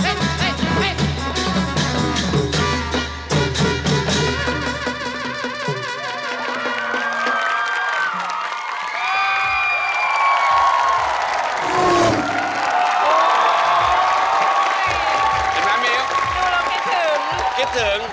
โอ้โหโอ้โห